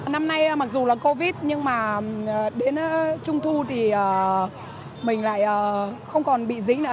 năm nay mặc dù là covid nhưng mà đến trung thu thì mình lại không còn bị dính nữa